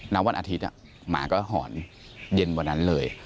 แล้ววันอาทิตย์หมาก็หอนเย็นเมื่อนั้นเลย